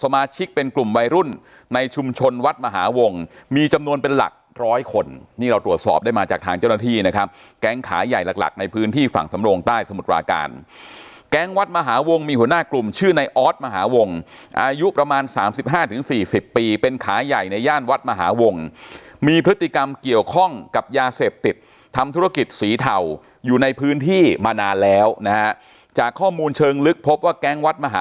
มาชิกเป็นกลุ่มวัยรุ่นในชุมชนวัดมหาวงมีจำนวนเป็นหลักร้อยคนนี่เราตรวจสอบได้มาจากทางเจ้าหน้าที่นะครับแก๊งขาใหญ่หลักในพื้นที่ฝั่งสำโรงใต้สมุทรปราการแก๊งวัดมหาวงมีหัวหน้ากลุ่มชื่อในออสมหาวงอายุประมาณสามสิบห้าถึงสี่สิบปีเป็นขาใหญ่ในย่านวัดมหาวงมีพฤติกรรมเ